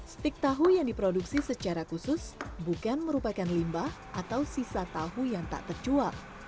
stik tahu yang diproduksi secara khusus bukan merupakan limbah atau sisa tahu yang tak terjual